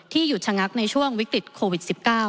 หยุดชะงักในช่วงวิกฤตโควิด๑๙